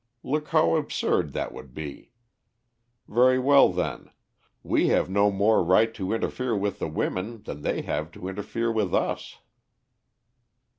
Look how absurd that would be. Very well, then; we have no more right to interfere with the women than they have to interfere with us."